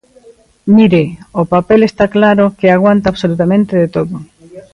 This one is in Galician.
Mire, o papel está claro que aguanta absolutamente de todo.